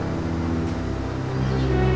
tapi kan ini bukan arah rumah